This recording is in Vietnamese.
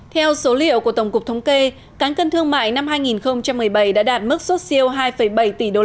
theo số liệu của tổng cục thống kê cán cân thương mại năm hai nghìn một mươi bảy đã đạt mức xuất siêu hai bảy tỷ usd